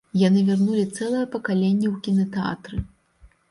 Яны вярнулі цэлае пакаленне ў кінатэатры.